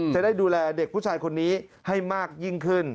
จะได้ดูแลเด็กผู้ชายคนนี้ให้มากยิ่งขึ้น